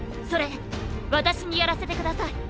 それ私にやらせて下さい。